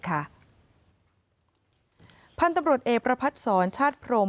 พันธุ์ตำรวจเอกประพัทธ์ศรชาติพรม